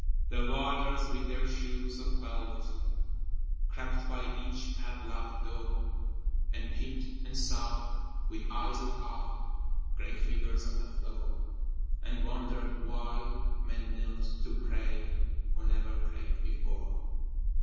The Warders with their shoes of felt Crept by each padlocked door, And peeped and saw, with eyes of awe, Grey figures on the floor, And wondered why men knelt to pray Who never prayed before.